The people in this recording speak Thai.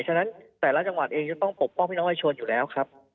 ฉะนั้นแต่ละจังหวัดเองจะต้องปกป้องพี่น้องประชาชนอยู่แล้วครับ